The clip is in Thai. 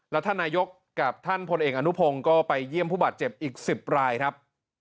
แล้วท่านนายกกับท่านพลเอกอนุพงศ์ก็ไปเยี่ยมผู้บาดเจ็บอีก๑๐รายครับ